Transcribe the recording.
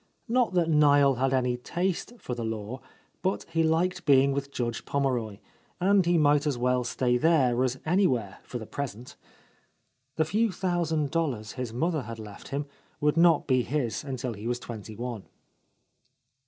Not that Niel had any taste for the law, but he liked being with Judge Pommeroy, and he might as well stay there as anywhere, for the present. The few thousand dollars his mother had left him would not be his until he was twenty one.